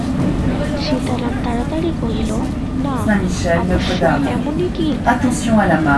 সীতারাম তাড়াতাড়ি কহিল, নাঃ– আবশ্যক এমনই কী।